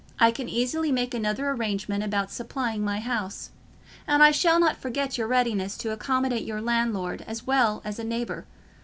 I can easily make another arrangement about supplying my house. And I shall not forget your readiness to accommodate your landlord as well as a neighbour.